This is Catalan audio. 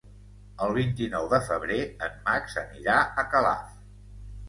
El vint-i-nou de febrer en Max anirà a Calaf.